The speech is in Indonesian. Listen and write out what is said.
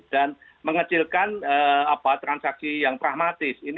dan mengecilkan transaksi yang pragmatis